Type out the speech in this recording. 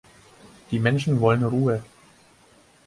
Die Menschen wollen Ruhe.